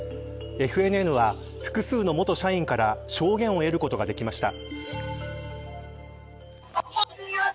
ＦＮＮは複数の元社員から証言を得ることができました。